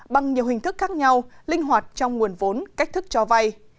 bằng nhiều hình thức khác nhau linh hoạt trong nguồn vốn cách thức cho vay